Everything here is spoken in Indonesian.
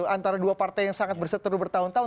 antara dua partai yang sangat berseteru bertahun tahun